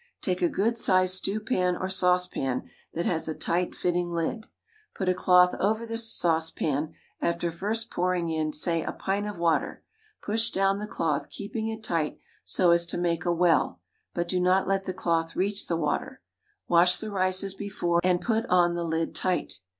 Take a good sized stew pan or saucepan that has a tight fitting lid. Put a cloth over the saucepan, after first pouring in, say, a pint of water; push down the cloth, keeping it tight, so as to make a well, but do not let the cloth reach the water; wash the rice as before, and put on the lid tight.